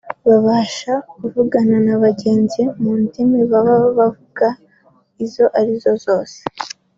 babashe kuvugana n’abagenzi mu ndimi baba bavuga izo ari zo zose